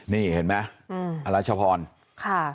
นี่เห็นไหมอรัชพรค่ะ